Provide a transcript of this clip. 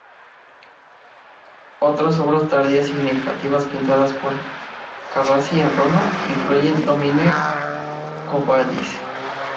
Otras obras tardías significativas pintadas por Carracci en Roma incluyen "Domine, Quo Vadis?